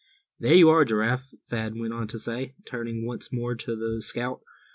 "There you are, Giraffe," Thad went on to say, turning once more to the scout.